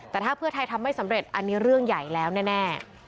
แต่ถ้าเพื่อไทยทำไม่สำเร็จอันนี้เรื่องใหญ่แล้วแน่